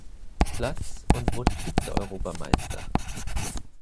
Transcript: Platz und wurde Vize-Europameister.